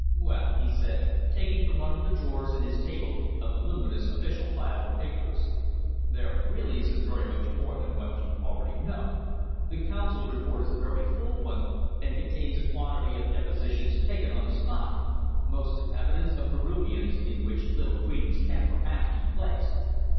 "Well," he said, taking from one of the drawers in his table a voluminous official file of papers. "There really isn't very much more than what you already know. The Consul's report is a very full one, and contains a quantity of depositions taken on the spot mostly evidence of Peruvians, in which little credence can, perhaps, be placed.